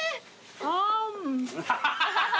あん。